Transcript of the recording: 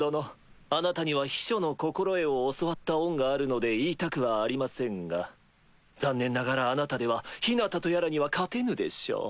あなたには秘書の心得を教わった恩があるので言いたくはありませんが残念ながらあなたではヒナタとやらには勝てぬでしょう。